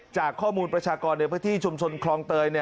จากข้อมูลประชากรในพื้นที่ชุมชนคลองเตย